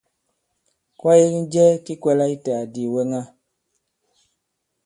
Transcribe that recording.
Kwaye ki njɛ ki kwɛ̄lā itē àdì ìwɛŋa?